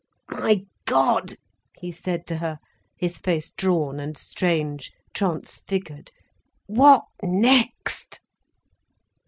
"My God," he said to her, his face drawn and strange, transfigured, "what next?"